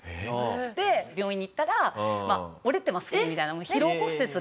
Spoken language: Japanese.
で病院に行ったら「折れてます」みたいな疲労骨折で。